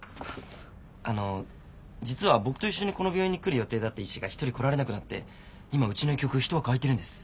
あのう実は僕と一緒にこの病院に来る予定だった医師が１人来られなくなって今うちの医局ひと枠空いてるんです。